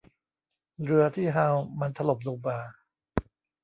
เรือที่ฮัลล์มันถล่มลงมา